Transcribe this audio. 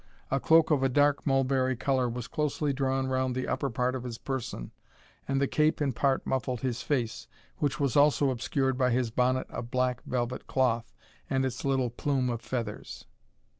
A cloak of a dark mulberry colour was closely drawn round the upper part of his person, and the cape in part muffled his face, which was also obscured by his bonnet of black velvet cloth, and its little plume of feathers.